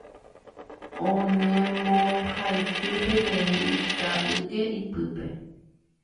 Oñembohaity peteĩ itayke ypýpe.